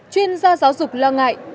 chuyên gia giáo dục lo ngại